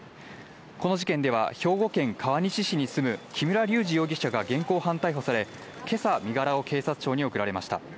この事件では兵庫県川西市に住む木村隆二容疑者が現行犯逮捕され、今朝、身柄を検察庁に送られました。